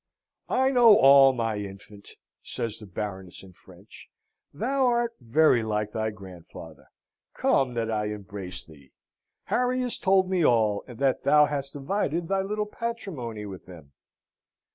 "I know all, my infant!" says the Baroness in French. "Thou art very like thy grandfather. Come, that I embrace thee! Harry has told me all, and that thou hast divided thy little patrimony with him!"